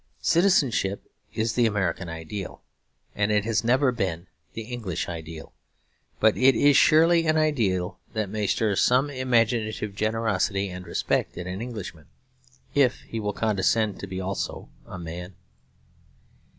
Citizenship is the American ideal; and it has never been the English ideal. But it is surely an ideal that may stir some imaginative generosity and respect in an Englishman, if he will condescend to be also a man.